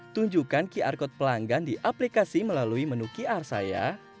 tunjukkan qr code pelanggan di aplikasi melalui menu qr saya